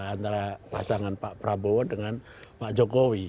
antara pasangan pak prabowo dengan pak jokowi